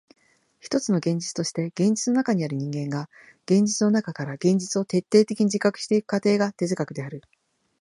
ひとつの現実として現実の中にある人間が現実の中から現実を徹底的に自覚してゆく過程が哲学である。